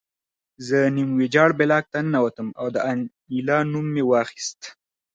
زه نیم ویجاړ بلاک ته ننوتم او د انیلا نوم مې واخیست